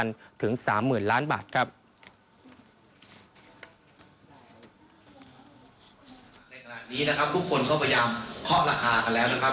ในขณะนี้นะครับทุกคนก็พยายามเคาะราคากันแล้วนะครับ